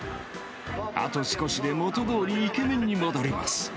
あと少しで元どおりイケメンに戻ります。